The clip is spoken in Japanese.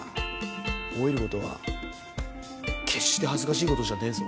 老いることは決して恥ずかしいことじゃねぇぞ。